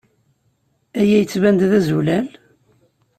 Aya yettban-d d azulal?